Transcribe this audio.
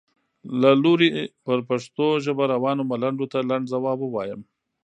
له لوري پر پښتو ژبه روانو ملنډو ته لنډ ځواب ووایم.